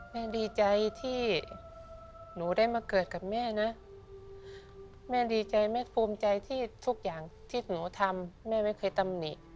ดีใจที่หนูได้มาเกิดกับแม่นะแม่ดีใจแม่ภูมิใจที่ทุกอย่างที่หนูทำแม่ไม่เคยตำหนิ